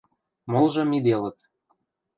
Молжы миделыт.